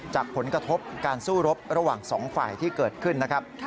จากผลกระทบการสู้รบระหว่างสองฝ่ายที่เกิดขึ้นนะครับ